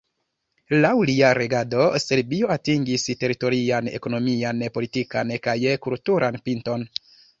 Laŭ lia regado Serbio atingis teritorian, ekonomian, politikan kaj kulturan pinton.